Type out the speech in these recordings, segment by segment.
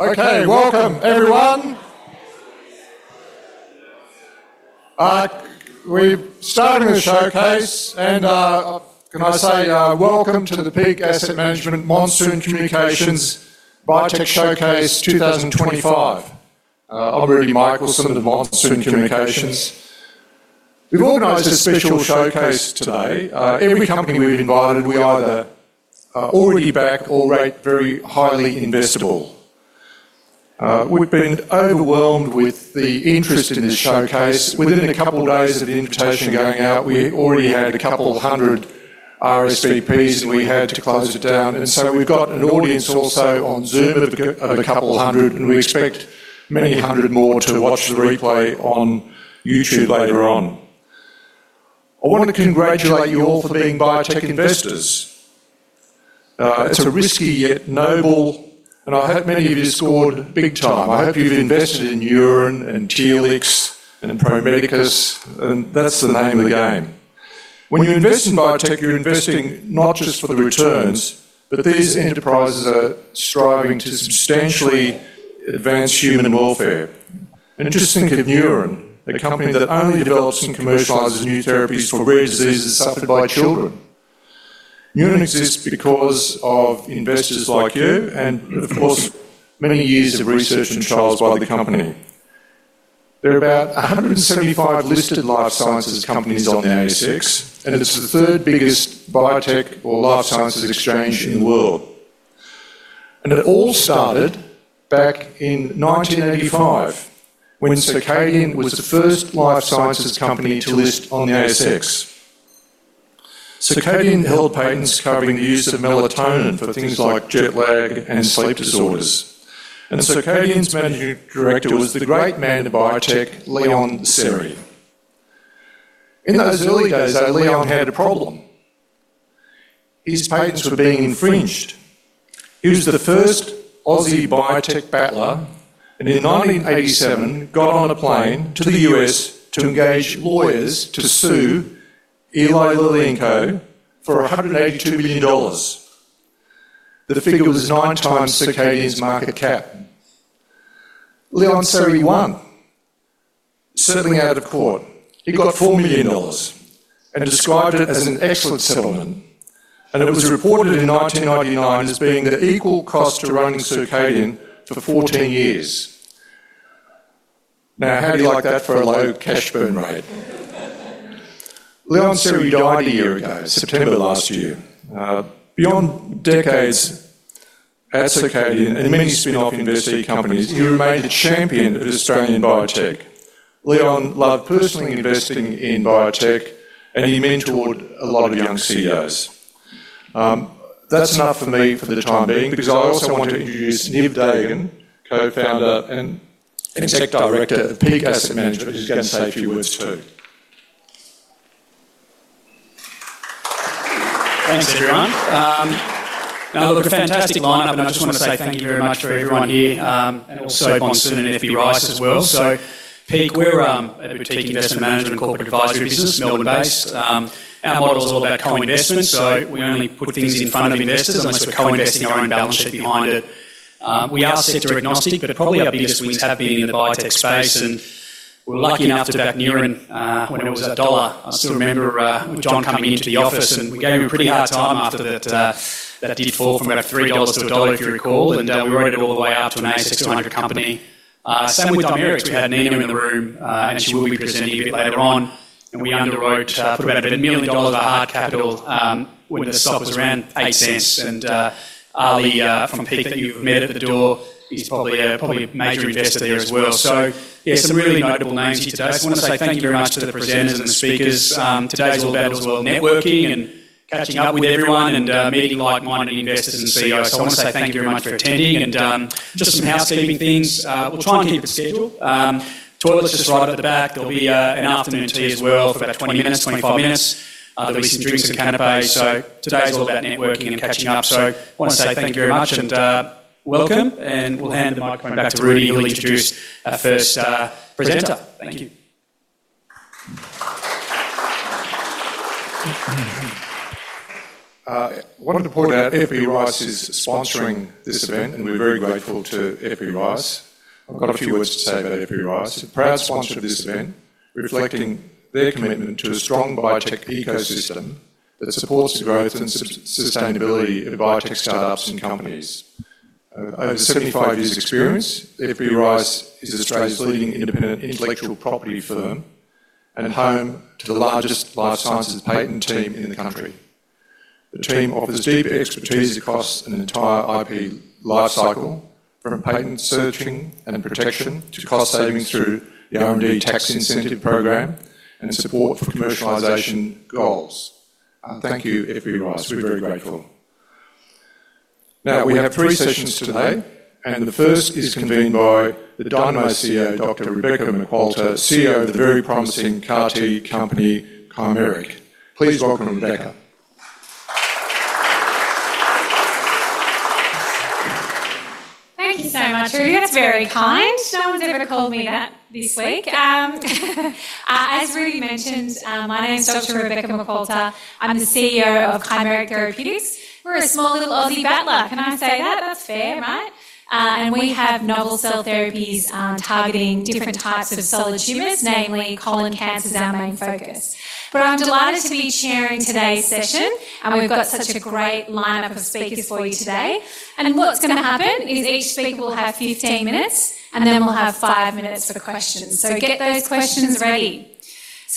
Okay, welcome everyone. We've started with a showcase, and can I say welcome to the Peak Asset Management Monsoon Communications Biotech Showcase 2025. I'm Rudi Michelson of Monsoon Communications. We've organized a special showcase today. Every company we've invited, we either already back or rate very highly investable. We've been overwhelmed with the interest in this showcase. Within a couple of days of the invitation going out, we already had a couple hundred RSVPs and we had to close it down. We've got an audience also on Zoom of a couple hundred, and we expect many hundred more to watch the replay on YouTube later on. I want to congratulate you all for being biotech investors. It's a risky yet noble thing, and I hope many of you scored big time. I hope you've invested in Neuren and Telix and Pro Medicus, and that's the name of the game. When you invest in biotech, you're investing not just for the returns, but these enterprises are striving to substantially advance human welfare. Just think of Neuren, a company that only develops and commercializes new therapies for rare diseases suffered by children. Neuren exists because of investors like you, and of course, many years of research and trials by the company. There are about 175 listed life sciences companies on the ASX, and it's the third biggest biotech or life sciences exchange in the world. It all started back in 1985, when Circadian was the first life sciences company to list on the ASX. Circadian held patents covering the use of melatonin for things like jet lag and sleep disorders. Circadian's Managing Director was the great man of the biotech, Leon Serry. In those early days, though, Leon had a problem. His patents were being infringed. He was the first Aussie biotech battler, and in 1987, got on a plane to the U.S. to engage lawyers to sue Eli Lilly & Co. for $182 million. The figure was 9x Circadian's market cap. Leon Serry won, settling out of court. He got $4 million and described it as an excellent settlement. It was reported in 1999 as being the equal cost to running Circadian for 14 years. Now, how do you like that for a low cash burn rate? Leon Serry died a year ago, September last year. Beyond decades at Circadian and many spin-off investing companies, he remained a champion of Australian biotech. Leon loved personally investing in biotech, and he mentored a lot of young CEOs. That's enough for me for the time being, because I also want to introduce Niv Dagan, Co-Founder and Executive Director of Peak Asset Management, who's going to say a few words first. Thanks, everyone. Now, look, a fantastic lineup, and I just want to say thank you very much for everyone here, and also Monsoon Communications and FB Rice as well. Peak, we're a boutique investment manager and corporate advisory business, Melbourne-based. Our model is all about co-investment, so we only put things in front of investors unless we're co-investing our own balance sheet behind it. We are sector agnostic, but probably our biggest wins have been in the biotech space, and we're lucky enough to back Neuren when it was $1. I still remember John coming into the office, and we gave him a pretty hard time after that. That did fall from about $3 to $1, if you recall, and we rode it all the way up to an ASX 200 company. Same with Dimerix, we had Nina in the room, and she will be presenting a bit later on. We underwrote, put about $1 million of hard capital when the stock was around $0.08. Ali from Peak that you've met at the door is probably a major investor there as well. Some really notable names here today. I want to say thank you very much to the presenters and the speakers. Today's a little bit of networking and catching up with everyone and meeting like-minded investors and CEOs. I want to say thank you very much for attending. Just some housekeeping things. We'll try and keep it to schedule. Toilets just right up at the back. There'll be an afternoon tea as well for about 20 minutes, 25 minutes. There'll be some drinks and canapes. Today's all about networking and catching up. I want to say thank you very much and welcome. We'll hand the microphone back to Rudi. He'll introduce our first presenter. Thank you. I wanted to point out FB Rice is sponsoring this event, and we're very grateful to FB Rice. I've got a few words to say about FB Rice. Proud sponsor of this event, reflecting their commitment to a strong biotech ecosystem that supports the growth and sustainability of biotech startups and companies. Over 75 years of experience, FB Rice is Australia's leading independent intellectual property firm and home to the largest life sciences patent team in the country. The team offers deep expertise across an entire IP lifecycle, from patent searching and protection to cost savings through the R&D tax incentive program and support for commercialization goals. Thank you, FB Rice. We're very grateful. Now, we have three sessions today, and the first is convened by the CEO, Dr. Rebecca McQualter, CEO of the very promising CAR-T company, Chimeric. Please welcome Rebecca. Thank you so much, Rudi. That's very kind. No one's ever called me that this week. As Rudi mentioned, my name is Dr. Rebecca McQualter. I'm the CEO of Chimeric Therapeutics. We're a small little Aussie battler. Can I say that? That's fair, right? We have novel cell therapies targeting different types of solid tumors, namely colon cancer is our main focus. I'm delighted to be chairing today's session, and we've got such a great lineup of speakers for you today. What's going to happen is each speaker will have 15 minutes, and then we'll have five minutes for questions. Get those questions ready.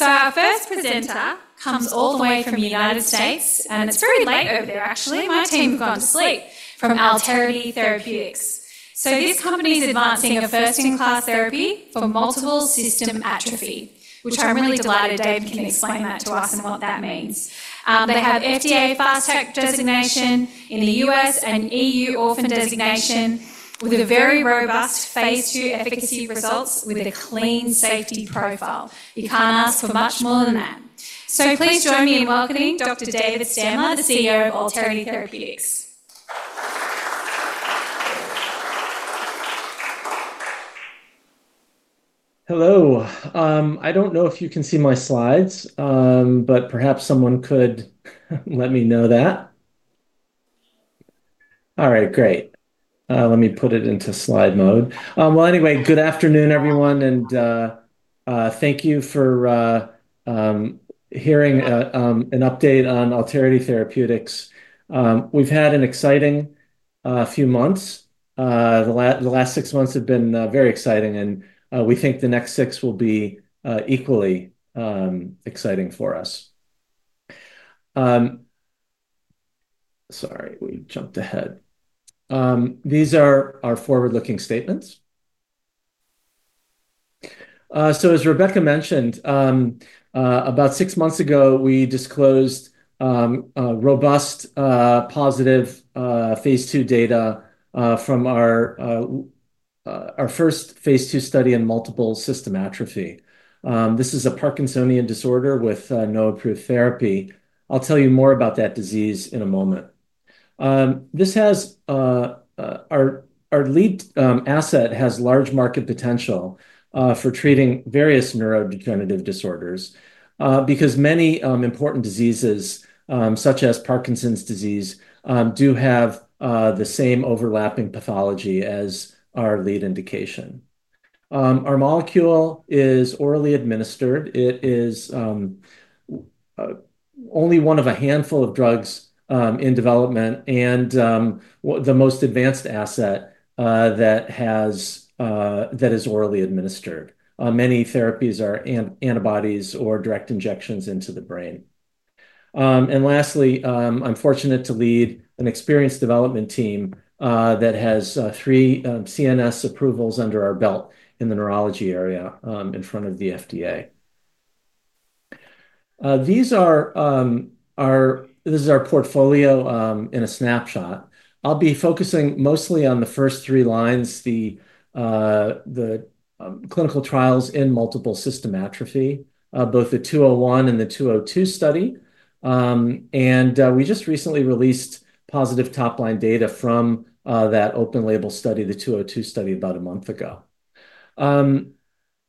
Our first presenter comes all the way from the United States, and it's very late over there, actually. My team have gone to sleep from Alterity Therapeutics. This company is advancing a first-in-class therapy for multiple system atrophy, which I'm really delighted David can explain that to us and what that means. They have FDA fast-track designation in the U.S. and EU orphan designation with very robust Phase II efficacy results with a clean safety profile. You can't ask for much more than that. Please join me in welcoming Dr. David Stamler, the CEO of Alterity Therapeutics. Hello. I don't know if you can see my slides, but perhaps someone could let me know that. All right, great. Let me put it into slide mode. Good afternoon, everyone, and thank you for hearing an update on Alterity Therapeutics. We've had an exciting few months. The last six months have been very exciting, and we think the next six will be equally exciting for us. Sorry, we jumped ahead. These are our forward-looking statements. As Rebecca mentioned, about six months ago, we disclosed robust, positive Phase II data from our first phase two study in multiple system atrophy. This is a Parkinsonian disorder with no approved therapy. I'll tell you more about that disease in a moment. Our lead asset has large market potential for treating various neurodegenerative disorders because many important diseases, such as Parkinson's disease, do have the same overlapping pathology as our lead indication. Our molecule is orally administered. It is only one of a handful of drugs in development and the most advanced asset that is orally administered. Many therapies are antibodies or direct injections into the brain. Lastly, I'm fortunate to lead an experienced development team that has three CNS approvals under our belt in the neurology area in front of the FDA. This is our portfolio in a snapshot. I'll be focusing mostly on the first three lines, the clinical trials in multiple system atrophy, both the 201 and the 202 study. We just recently released positive top-line data from that open-label study, the 202 study, about a month ago.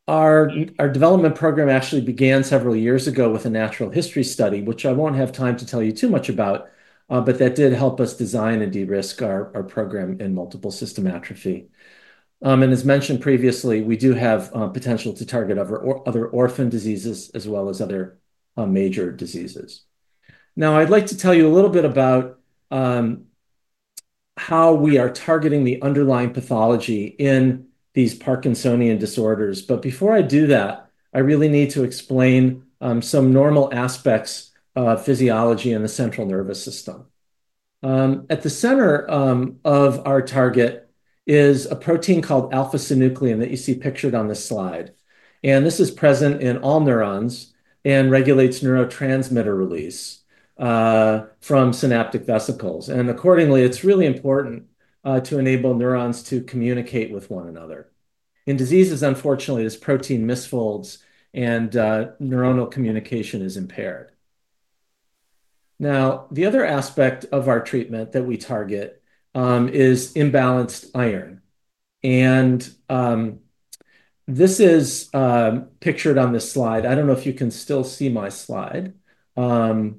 Our development program actually began several years ago with a natural history study, which I won't have time to tell you too much about, but that did help us design and de-risk our program in multiple system atrophy. As mentioned previously, we do have potential to target other orphan diseases, as well as other major diseases. Now, I'd like to tell you a little bit about how we are targeting the underlying pathology in these Parkinsonian disorders. Before I do that, I really need to explain some normal aspects of physiology and the central nervous system. At the center of our target is a protein called alpha-synuclein that you see pictured on this slide. This is present in all neurons and regulates neurotransmitter release from synaptic vesicles. Accordingly, it's really important to enable neurons to communicate with one another. In diseases, unfortunately, this protein misfolds and neuronal communication is impaired. The other aspect of our treatment that we target is imbalanced iron. This is pictured on this slide. I don't know if you can still see my slide. Perhaps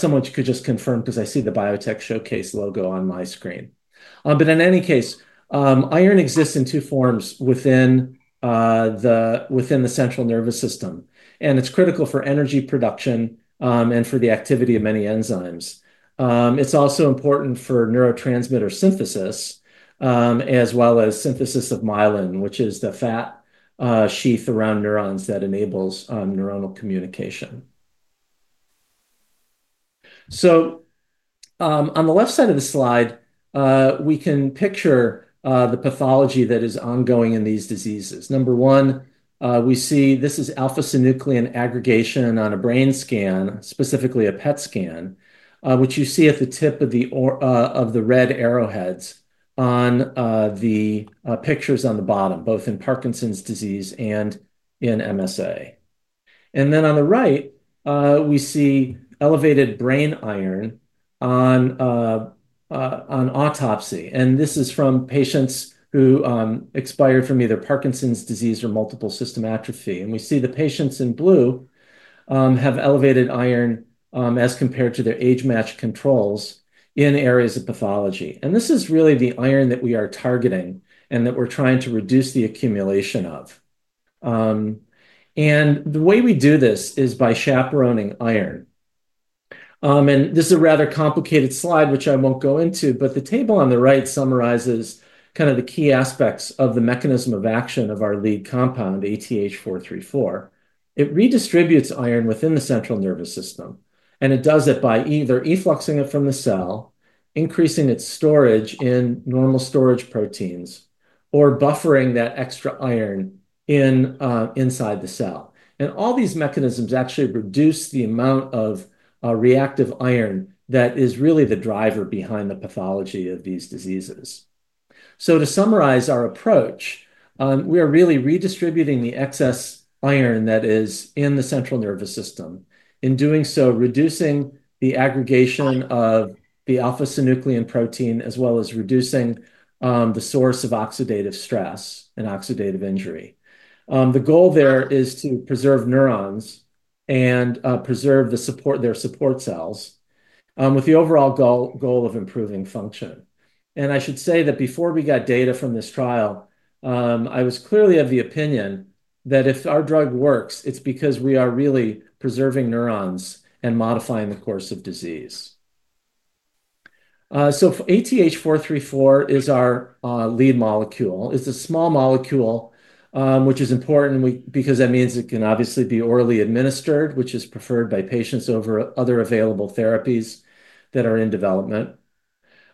someone could just confirm because I see the Biotech Showcase logo on my screen. In any case, iron exists in two forms within the central nervous system. It's critical for energy production and for the activity of many enzymes. It's also important for neurotransmitter synthesis, as well as synthesis of myelin, which is the fat sheath around neurons that enables neuronal communication. On the left side of the slide, we can picture the pathology that is ongoing in these diseases. Number one, we see this is alpha-synuclein aggregation on a brain scan, specifically a PET scan, which you see at the tip of the red arrowheads on the pictures on the bottom, both in Parkinson’s disease and in MSA. On the right, we see elevated brain iron on autopsy. This is from patients who expired from either Parkinson’s disease or multiple system atrophy. We see the patients in blue have elevated iron as compared to their age-matched controls in areas of pathology. This is really the iron that we are targeting and that we're trying to reduce the accumulation of. The way we do this is by chaperoning iron. This is a rather complicated slide, which I won't go into, but the table on the right summarizes the key aspects of the mechanism of action of our lead compound, ATH434. It redistributes iron within the central nervous system. It does it by either effluxing it from the cell, increasing its storage in normal storage proteins, or buffering that extra iron inside the cell. All these mechanisms actually reduce the amount of reactive iron that is really the driver behind the pathology of these diseases. To summarize our approach, we are really redistributing the excess iron that is in the central nervous system. In doing so, reducing the aggregation of the alpha-synuclein protein, as well as reducing the source of oxidative stress and oxidative injury. The goal there is to preserve neurons and preserve their support cells with the overall goal of improving function. I should say that before we got data from this trial, I was clearly of the opinion that if our drug works, it's because we are really preserving neurons and modifying the course of disease. ATH434 is our lead molecule. It's a small molecule, which is important because that means it can obviously be orally administered, which is preferred by patients over other available therapies that are in development.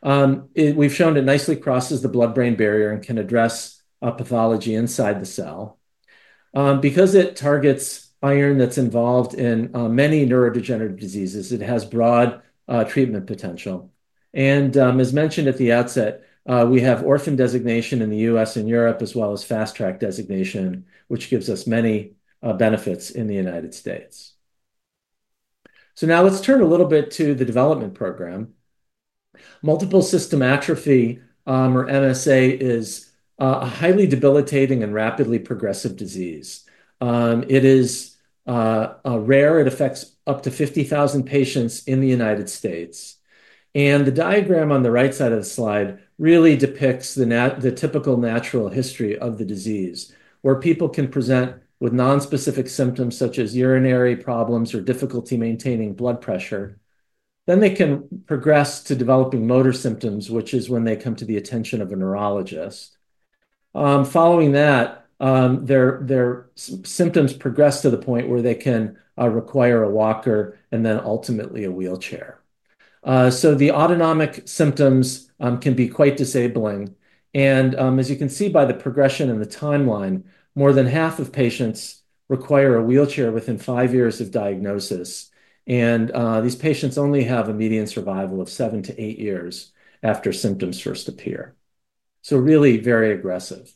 We've shown it nicely crosses the blood-brain barrier and can address pathology inside the cell. Because it targets iron that's involved in many neurodegenerative diseases, it has broad treatment potential. As mentioned at the outset, we have orphan designation in the U.S. and Europe, as well as fast-track designation, which gives us many benefits in the United States. Now let's turn a little bit to the development program. Multiple system atrophy, or MSA, is a highly debilitating and rapidly progressive disease. It is rare, it affects up to 50,000 patients in the United States. The diagram on the right side of the slide really depicts the typical natural history of the disease, where people can present with nonspecific symptoms such as urinary problems or difficulty maintaining blood pressure. They can progress to developing motor symptoms, which is when they come to the attention of a neurologist. Following that, their symptoms progress to the point where they can require a walker and ultimately a wheelchair. The autonomic symptoms can be quite disabling. As you can see by the progression and the timeline, more than half of patients require a wheelchair within five years of diagnosis. These patients only have a median survival of 7-8 years after symptoms first appear. Really very aggressive.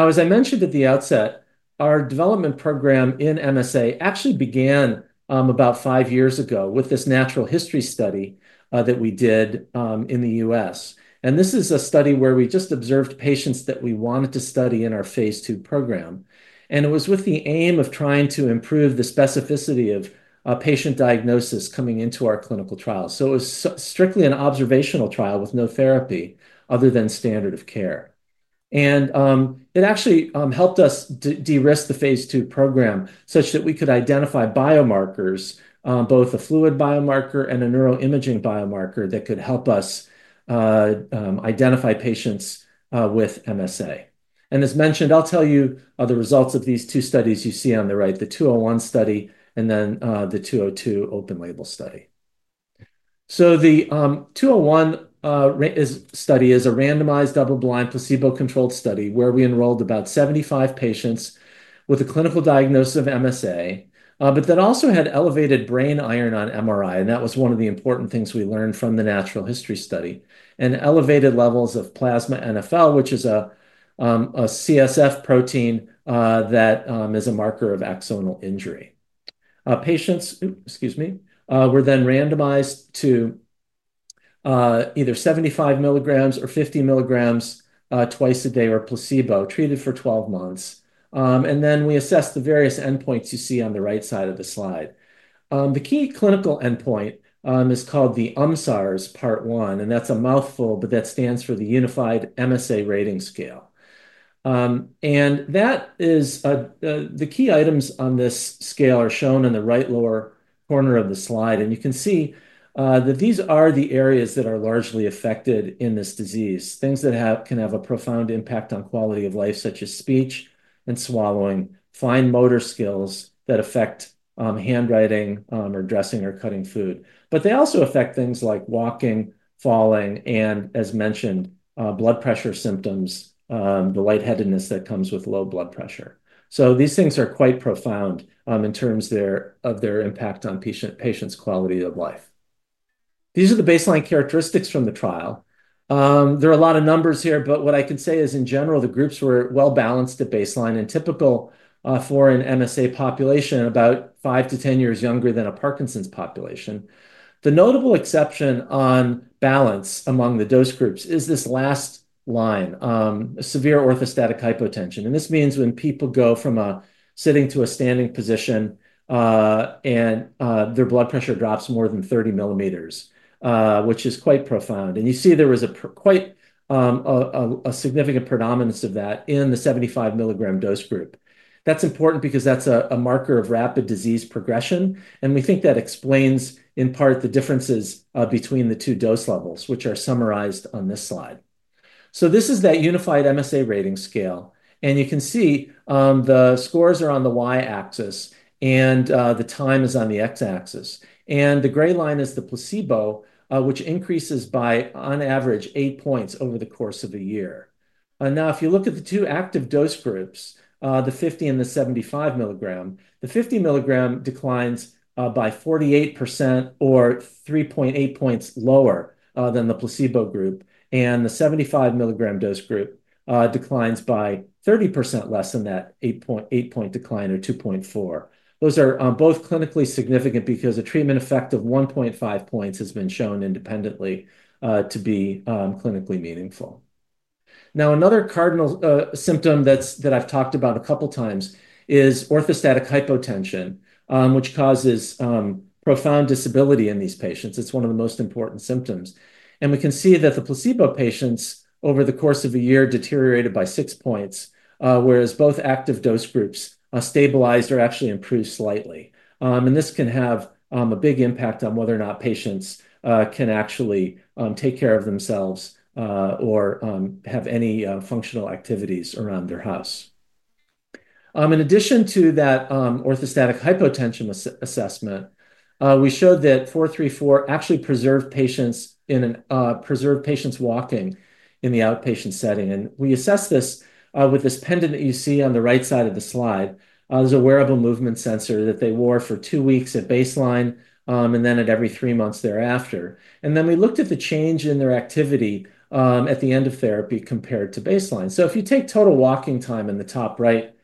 As I mentioned at the outset, our development program in MSA actually began about five years ago with this natural history study that we did in the U.S. This is a study where we just observed patients that we wanted to study in our Phase II program. It was with the aim of trying to improve the specificity of patient diagnosis coming into our clinical trial. It was strictly an observational trial with no therapy other than standard of care. It actually helped us de-risk the phase two program such that we could identify biomarkers, both a fluid biomarker and a neuroimaging biomarker that could help us identify patients with MSA. As mentioned, I'll tell you the results of these two studies you see on the right, the 201 study and then the 202 open-label study. The 201 study is a randomized double-blind placebo-controlled study where we enrolled about 75 patients with a clinical diagnosis of MSA, but that also had elevated brain iron on MRI. That was one of the important things we learned from the natural history study. Elevated levels of plasma NFL, which is a CSF protein that is a marker of axonal injury. Patients were then randomized to either 75 mg or 50 mg twice a day or placebo, treated for 12 months. We assessed the various endpoints you see on the right side of the slide. The key clinical endpoint is called the UMSARS Part 1, and that's a mouthful, but that stands for the Unified MSA Rating Scale. The key items on this scale are shown in the right lower corner of the slide. You can see that these are the areas that are largely affected in this disease, things that can have a profound impact on quality of life, such as speech and swallowing, fine motor skills that affect handwriting or dressing or cutting food. They also affect things like walking, falling, and, as mentioned, blood pressure symptoms, the lightheadedness that comes with low blood pressure. These things are quite profound in terms of their impact on patients' quality of life. These are the baseline characteristics from the trial. There are a lot of numbers here, but what I can say is, in general, the groups were well balanced at baseline and typical for an MSA population, about five to ten years younger than a Parkinson’s population. The notable exception on balance among the dose groups is this last line, severe orthostatic hypotension. This means when people go from a sitting to a standing position and their blood pressure drops more than 30 mm, which is quite profound. You see there was a quite significant predominance of that in the 75 mg dose group. That's important because that's a marker of rapid disease progression. We think that explains, in part, the differences between the two dose levels, which are summarized on this slide. This is that Unified MSA Rating Scale. You can see the scores are on the Y axis and the time is on the X axis. The gray line is the placebo, which increases by, on average, eight points over the course of a year. If you look at the two active dose groups, the 50 mg and the 75 mg, the 50 mg declines by 48% or 3.8 points lower than the placebo group. The 75 mg dose group declines by 30% less than that 8.8 point decline, or 2.4. Those are both clinically significant because a treatment effect of 1.5 points has been shown independently to be clinically meaningful. Another cardinal symptom that I've talked about a couple of times is orthostatic hypotension, which causes profound disability in these patients. It's one of the most important symptoms. We can see that the placebo patients over the course of a year deteriorated by six points, whereas both active dose groups stabilized or actually improved slightly. This can have a big impact on whether or not patients can actually take care of themselves or have any functional activities around their house. In addition to that orthostatic hypotension assessment, we showed that 434 actually preserved patients' walking in the outpatient setting. We assessed this with this pendant that you see on the right side of the slide. It was a wearable movement sensor that they wore for two weeks at baseline and then at every three months thereafter. We looked at the change in their activity at the end of therapy compared to baseline. If you take total walking time in the top right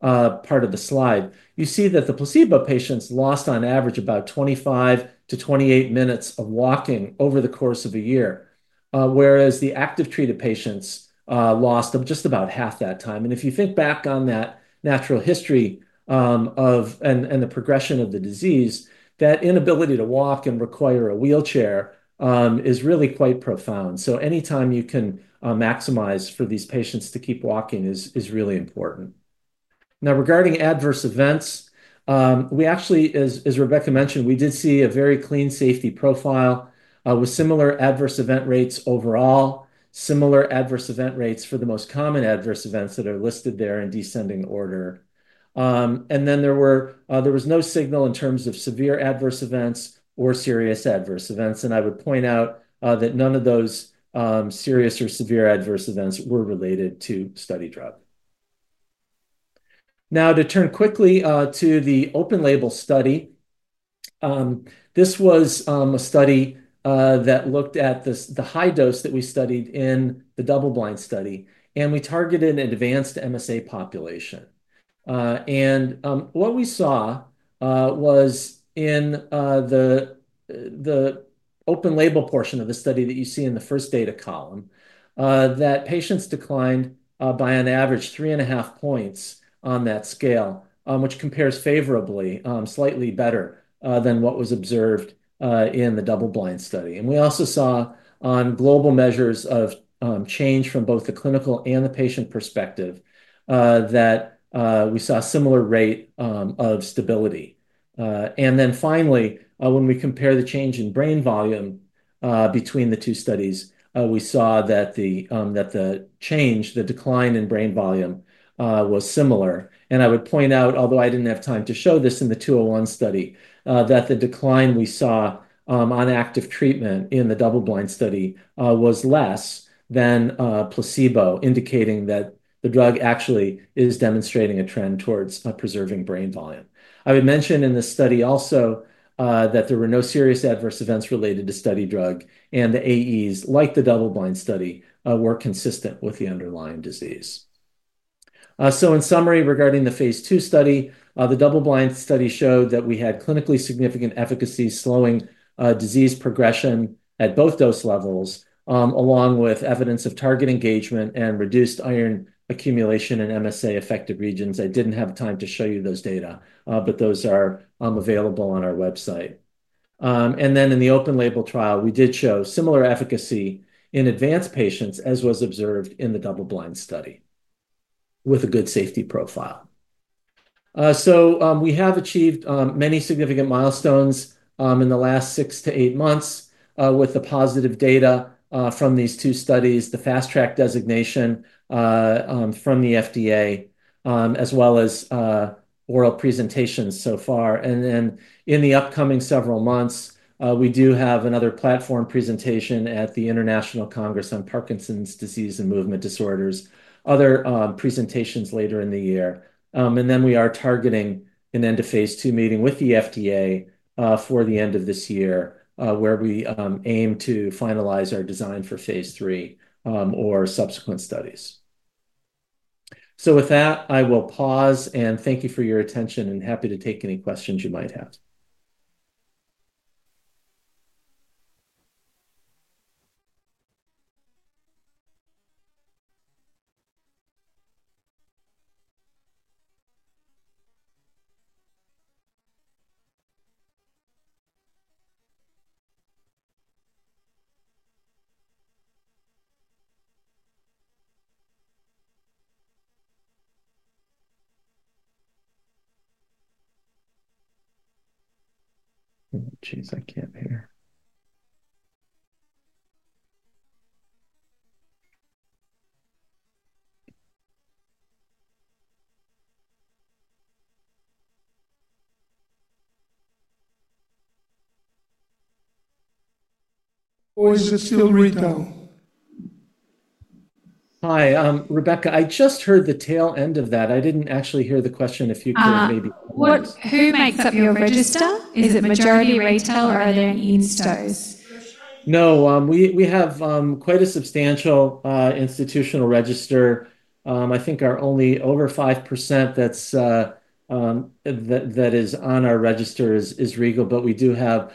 part of the slide, you see that the placebo patients lost on average about 25- 28 minutes of walking over the course of a year, whereas the active treated patients lost just about half that time. If you think back on that natural history and the progression of the disease, that inability to walk and require a wheelchair is really quite profound. Anytime you can maximize for these patients to keep walking is really important. Now, regarding adverse events, as Rebecca mentioned, we did see a very clean safety profile with similar adverse event rates overall, similar adverse event rates for the most common adverse events that are listed there in descending order. There was no signal in terms of severe adverse events or serious adverse events. I would point out that none of those serious or severe adverse events were related to study drug. To turn quickly to the open-label study, this was a study that looked at the high dose that we studied in the double-blind study. We targeted an advanced MSA population. What we saw was in the open-label portion of the study that you see in the first data column that patients declined by an average 3.5 points on that scale, which compares favorably, slightly better than what was observed in the double-blind study. We also saw on global measures of change from both the clinical and the patient perspective that we saw a similar rate of stability. Finally, when we compare the change in brain volume between the two studies, we saw that the change, the decline in brain volume was similar. I would point out, although I didn't have time to show this in the 201 study, that the decline we saw on active treatment in the double-blind study was less than placebo, indicating that the drug actually is demonstrating a trend towards preserving brain volume. I would mention in this study also that there were no serious adverse events related to study drug, and the AEs, like the double-blind study, were consistent with the underlying disease. In summary, regarding the phase two study, the double-blind study showed that we had clinically significant efficacy slowing disease progression at both dose levels, along with evidence of target engagement and reduced iron accumulation in MSA-affected regions. I didn't have time to show you those data, but those are available on our website. In the open-label trial, we did show similar efficacy in advanced patients, as was observed in the double-blind study, with a good safety profile. We have achieved many significant milestones in the last 6-8 months with the positive data from these two studies, the fast-track designation from the FDA, as well as oral presentations so far. In the upcoming several months, we do have another platform presentation at the International Congress on Parkinson's Disease and Movement Disorders, other presentations later in the year. We are targeting an end-of-Phase II meeting with the FDA for the end of this year, where we aim to finalize our design for Phase III or subsequent studies. With that, I will pause and thank you for your attention and happy to take any questions you might have. Oh, jeez, I can't hear. Or is it still Rico? Hi, Rebecca, I just heard the tail end of that. I didn't actually hear the question. If you could maybe. Who makes up your register? Is it the majority retail or are there any stores? No, we have quite a substantial institutional register. I think our only over 5% that is on our register is Rico, but we do have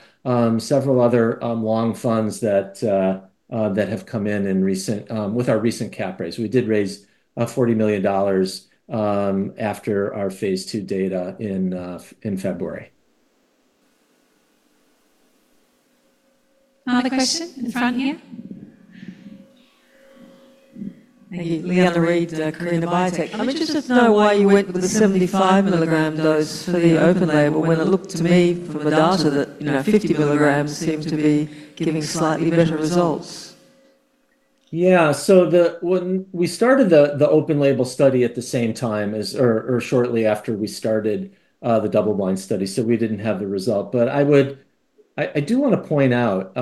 several other long funds that have come in with our recent cap raise. We did raise $40 million after our Phase II data in February. Another question in the front here. Hey, Leah Mann, Alterity Therapeutics. I wanted to just know why you went with the 75 mg dose for the open label? when it looked to me from the data that 50 mg seemed to be giving slightly better results. Yeah, so when we started the open label study at the same time or shortly after we started the double-blind study, we didn't have the result. I do want to point out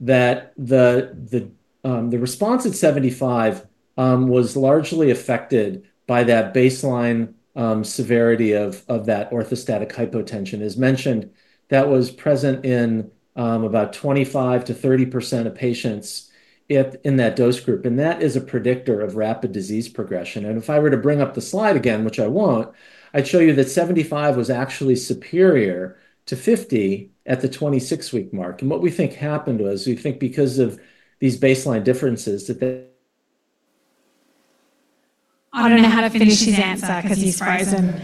that the response at 75 mg was largely affected by that baseline severity of that orthostatic hypotension. As mentioned, that was present in about 25%- 30% of patients in that dose group. That is a predictor of rapid disease progression. If I were to bring up the slide again, which I won't, I'd show you that 75 mg was actually superior to 50 mg at the 26-week mark. What we think happened was we think because of these baseline differences that. I don't know how to finish his answer because he's frozen.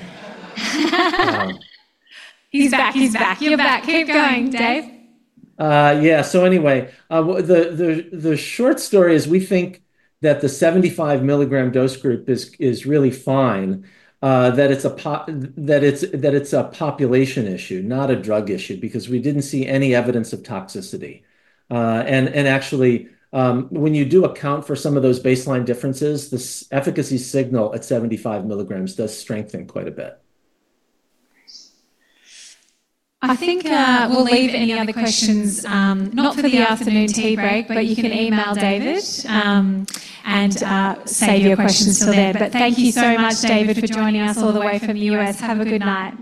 He's back. You're back. Keep going, Dave. Yeah, anyway, the short story is we think that the 75 mg dose group is really fine, that it's a population issue, not a drug issue because we didn't see any evidence of toxicity. Actually, when you do account for some of those baseline differences, the efficacy signal at 75 mg does strengthen quite a bit. I think we'll leave any other questions, not for the afternoon tea break, but you can email David and send your questions there. Thank you so much, David, for joining us all the way from the U.S. Have a good night.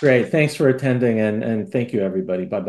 Great, thanks for attending, and thank you, everybody. Bye-bye.